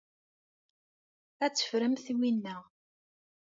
Ad teffremt winna.